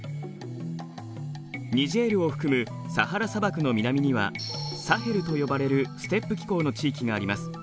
ニジェールを含むサハラ砂漠の南にはサヘルと呼ばれるステップ気候の地域があります。